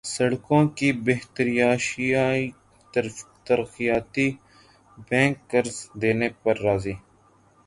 سڑکوں کی بہتریایشیائی ترقیاتی بینک قرض دینے پر راضی